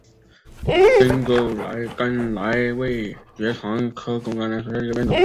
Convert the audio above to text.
滇中狗肝菜为爵床科狗肝菜属下的一个变种。